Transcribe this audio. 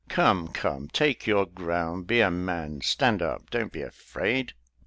Come, come, take your ground, be a man, stand up, don't be afraid."